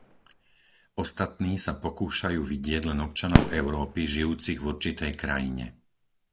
Ostatní sa pokúšajú vidieť len občanov Európy žijúcich v určitej krajine.